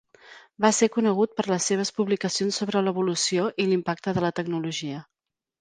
Va ser conegut per les seves publicacions sobre l'evolució i l'impacte de la tecnologia.